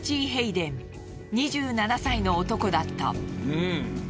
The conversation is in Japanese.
２７歳の男だった。